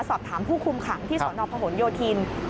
สอบถามผู้คุมขังที่สพโยธินตั้ง